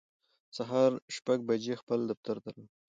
سهار شپږ بجې خپل دفتر راغی